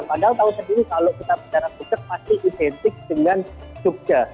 padahal tahun sedini kalau kita bicara bucek masih identik dengan jogja